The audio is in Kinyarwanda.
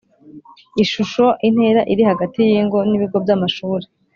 Ishusho Intera iri hagati y ingo n ibigo by amashuri